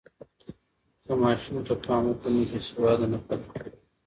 که ماشوم ته پام وکړو، نو بې سواده نه پاتې کېږي.